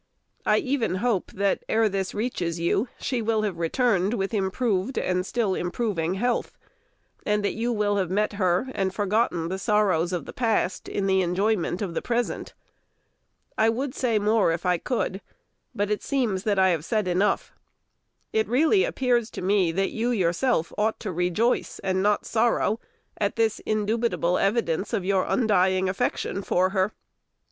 I even hope that ere this reaches you, she will have returned with improved and still improving health, and that you will have met her, and forgotten the sorrows of the past in the enjoyment of the present. I would say more if I could, but it seems that I have said enough. It really appears to me that you yourself ought to rejoice, and not sorrow, at this indubitable evidence of your undying affection for her.